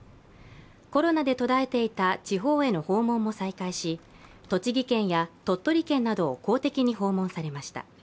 コロナで途絶えていた地方への訪問も再開し栃木県や鳥取県などを公的に訪問されました。